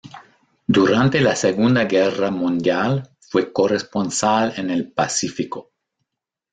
Durante la Segunda Guerra Mundial fue corresponsal en el Pacífico.